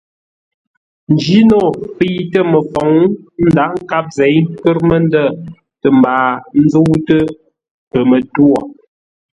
Njino fə̂itə məfoŋ ńdághʼ nkâp zěi ńkə́r məndə̂ tə mbaa ńzə́utə́ pəmətwô.